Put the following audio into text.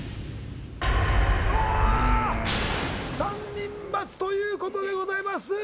３人×ということでございます